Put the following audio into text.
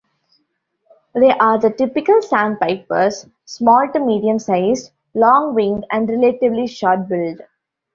They are the typical "sandpipers", small to medium-sized, long-winged and relatively short-billed.